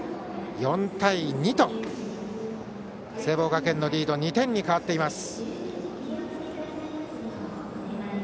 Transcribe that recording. ４対２と聖望学園のリードは２点に変わっています。